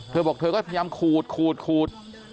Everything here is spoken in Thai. เธอบอกเธอก็พยายามขูดขูดขูด